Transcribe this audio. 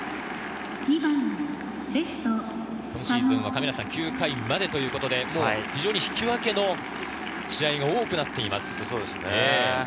今シーズンは９回までということで、非常に引き分けの試合が多くなっています。